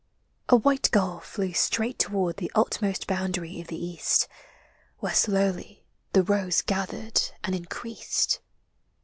A white gull flew Straight toward the utmost boundary of the East, Where slowly the rose gathered and increased.